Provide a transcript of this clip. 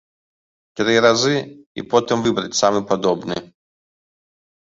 Тры разы і потым выбраць самы падобны.